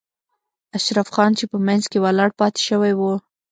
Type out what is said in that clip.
اشرف خان چې په منځ کې ولاړ پاتې شوی و.